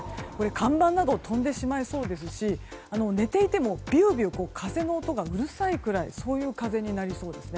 看板などが飛んでしまいそうですし寝ていてもビュービュー風の音がうるさいぐらいな風になりそうです。